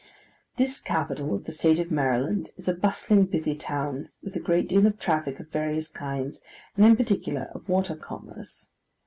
This capital of the state of Maryland is a bustling, busy town, with a great deal of traffic of various kinds, and in particular of water commerce.